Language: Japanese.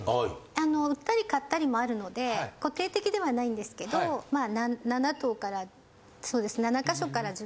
あの売ったり買ったりもあるので固定的ではないんですけど７棟からそうです。